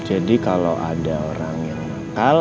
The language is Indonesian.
jadi kalau ada orang yang nakal